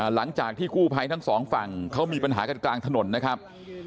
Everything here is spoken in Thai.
หลังจากที่กู้ภัยทั้งสองฝั่งเขามีปัญหากันกลางถนนนะครับ